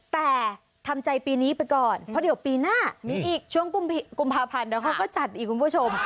แต่ทำใจปีนี้ไปก่อนเพราะเดี๋ยวปีหน้ามีอีกช่วงกุมภาพันธ์เดี๋ยวเขาก็จัดอีกคุณผู้ชม